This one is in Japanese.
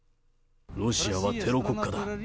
ロシアはテロ国家だ。